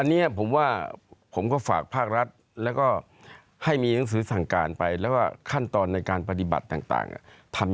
อันนี้ผมว่าผมก็ฝากภาครัฐแล้วก็ให้มีหนังสือสั่งการไปแล้วก็ขั้นตอนในการปฏิบัติต่างทำ